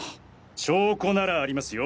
証拠ならありますよ。